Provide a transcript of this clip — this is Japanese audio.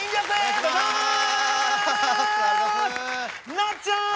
なっちゃん！